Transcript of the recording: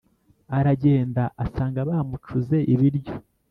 Aragenda asanga bamucuze ibiryo